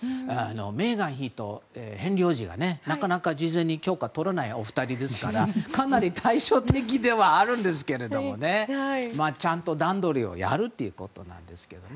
メーガン妃とヘンリー王子がなかなか事前に許可を取らないお二人ですからかなり対照的ではあるんですがちゃんと段取りをやるということです。